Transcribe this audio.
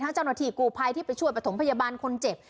เจ้าหน้าที่กูภัยที่ไปช่วยประถมพยาบาลคนเจ็บ